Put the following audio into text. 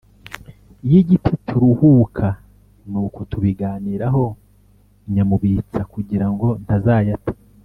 y’igiti turuhuka. Nuko tubiganiraho nyamubitsa kugira ngo ntazayata